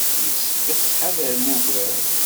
Yessefk ad ttḥadaren ugar.